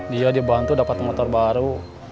dia dibantu dapat motor baru